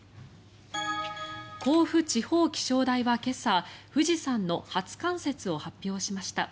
甲府地方気象台は今朝富士山の初冠雪を発表しました。